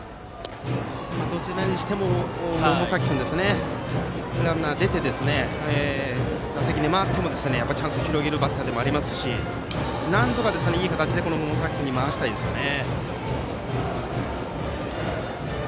どちらにしても百崎君がランナーに出て打席に回ってもチャンスを広げるバッターでもありますしなんとかいい形で百崎君に回したいですね。